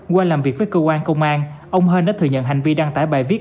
qua làm việc với cơ quan công an ông hên đã thừa nhận hành vi đăng tải bài viết